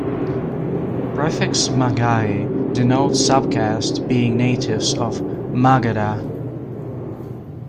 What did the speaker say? Prefix "Magahi" denotes subcaste being natives of Magadha.